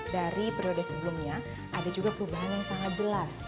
dari periode sebelumnya ada juga perubahan yang sangat jelas